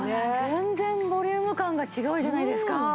全然ボリューム感が違うじゃないですか。